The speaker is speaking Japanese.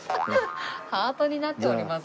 ハートになっております